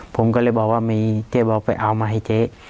ผมก็เลยบอกว่ามีเจ๊บอกไปเอามาให้เจ๊